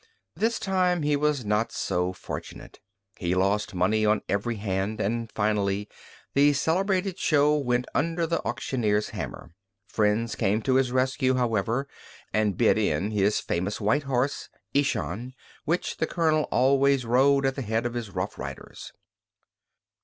This time he was not so fortunate. He lost money on every hand, and finally the celebrated show went under the auctioneer's hammer. Friends came to his rescue, however, and bid in his famous white horse, Ishan, which the Colonel always rode at the head of his roughriders.